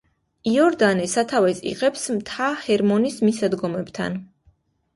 იორდანე სათავეს იღებს მთა ჰერმონის მისადგომებთან.